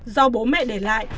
do bố mẹ để lại